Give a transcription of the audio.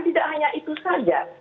tidak hanya itu saja